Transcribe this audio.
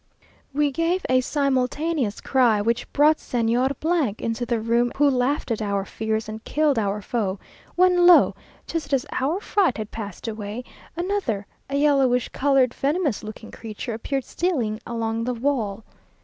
We gave a simultaneous cry, which brought Señor into the room, who laughed at our fears, and killed our foe; when lo! just as our fright had passed away, another, a yellowish coloured, venomous looking creature, appeared stealing along the wall.